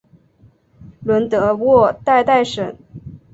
伦德沃代代什。